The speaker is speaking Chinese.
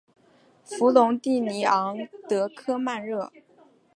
弗龙蒂尼昂德科曼热。